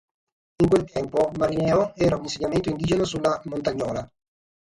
In quel tempo Marineo era un insediamento indigeno sulla Montagnola.